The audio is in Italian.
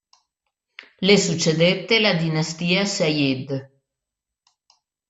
Le succedette la Dinastia Sayyid.